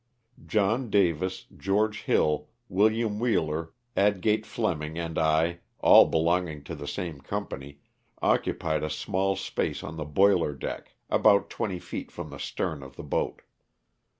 John Davis, George Hill, William Wheeler, Adgate Fleming and I, all belonging to the same company, occupied a small space on the boiler deck, about twenty feet from the stern of the boat.